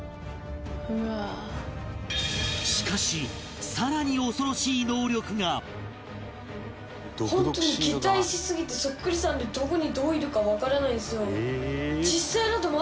「うわあ」しかし本当に擬態しすぎてそっくりさんでどこにどういるかわからないんですよ。